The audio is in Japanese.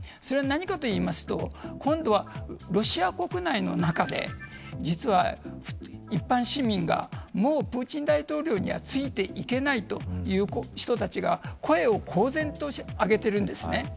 何かといいますと、ロシア国内の中で一般市民がもうプーチン大統領にはついていけないという人たちが声を公然と上げているんですね。